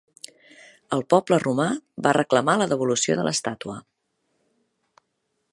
El poble romà va reclamar la devolució de l'estàtua.